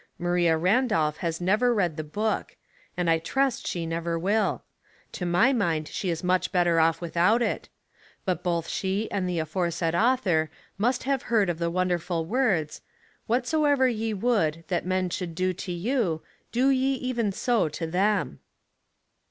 Maria Randolph has never read the book, and I trust she never will; to my mind she is much better off without it; but both she and the aforesaid author must have heard of the wonderful words, *' Whatsoever ye would that men should do to you, do ye even so to them."